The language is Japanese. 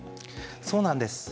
そうなんです。